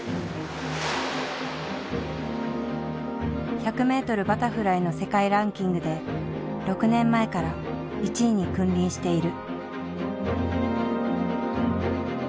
１００ｍバタフライの世界ランキングで６年前から１位に君臨している。